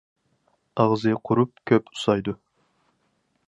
ئاغزى قۇرۇپ، كۆپ ئۇسسايدۇ.